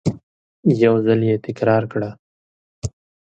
یو ځل یې تکرار کړه !